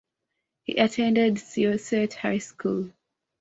He attended Syosset High School.